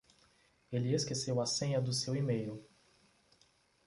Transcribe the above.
Ele esqueceu a senha do seu e-mail.